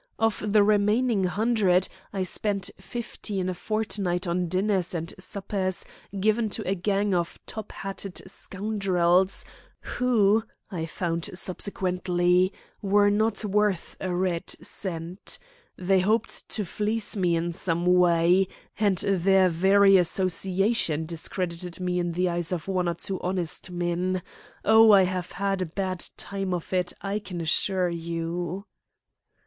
Of the remaining hundred I spent fifty in a fortnight on dinners and suppers given to a gang of top hatted scoundrels, who, I found subsequently, were not worth a red cent. They hoped to fleece me in some way, and their very association discredited me in the eyes of one or two honest men. Oh, I have had a bad time of it, I can assure you!"